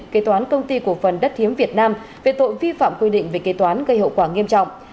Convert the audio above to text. kế toán công ty cổ phần đất thiếm việt nam về tội vi phạm quy định về kế toán gây hậu quả nghiêm trọng